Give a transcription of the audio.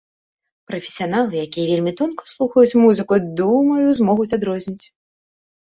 Прафесіяналы, якія вельмі тонка слухаюць музыку, думаю, змогуць адрозніць.